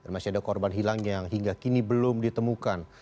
masih ada korban hilang yang hingga kini belum ditemukan